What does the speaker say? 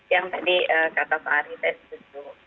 yang tadi kata pak ari saya setuju